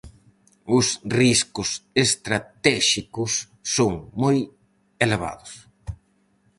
Os riscos estratéxicos son moi elevados.